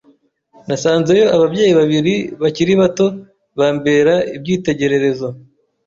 Nasanzeyo ababyeyi babiri bakiri bato bambera ibyitegererezo